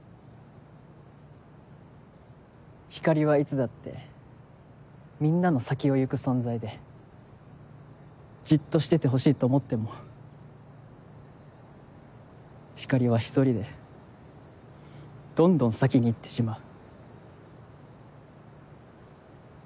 ひかりはいつだってみんなの先を行く存在でじっとしててほしいと思ってもひかりは１人でどんどん先に行ってしまう。